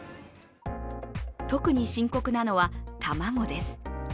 特に深刻なのは卵です。